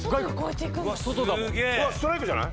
竹山：ストライクじゃない？